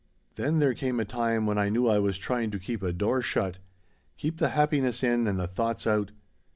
"Then there came a time when I knew I was trying to keep a door shut keep the happiness in and the thoughts out.